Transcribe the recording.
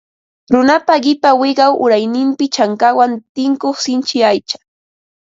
Runapa qipa wiqaw urayninpi chankawan tinkuq sinchi aycha